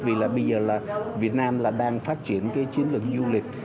vì bây giờ việt nam đang phát triển chiến lược du lịch